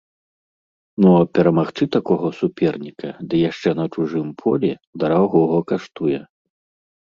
Ну а перамагчы такога суперніка, ды яшчэ на чужым полі, дарагога каштуе.